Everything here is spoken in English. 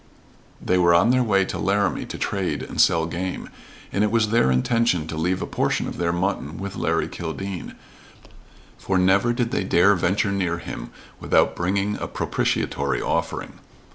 They were on their way to Laramie to trade and sell game, and it was their intention to leave a portion of their mutton with Larry Kildene; for never did they dare venture near him without bringing a propitiatory offering.